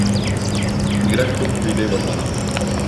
Бигерәк күп һөйләй башланың!